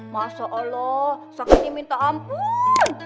masa allah sakitnya minta ampun